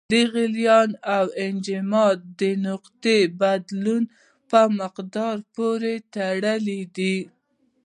د غلیان او انجماد د نقطو بدلون په مقدار پورې تړلی دی.